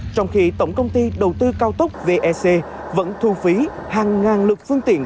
trong khi tổng công ty đầu tư cao tốc vec vẫn thu phí hàng ngàn lực phương tiện